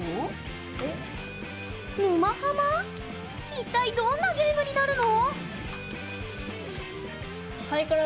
一体、どんなゲームになるの？